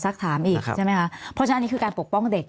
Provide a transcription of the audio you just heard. ถามอีกใช่ไหมคะเพราะฉะนั้นอันนี้คือการปกป้องเด็ก